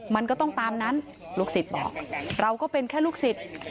มันก็ต้องตามนั้นลูกศิษย์บอกเราก็เป็นแค่ลูกศิษย์